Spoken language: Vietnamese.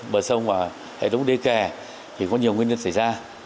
bờ sông và hệ thống đê kè thì có nhiều nguyên nhân xảy ra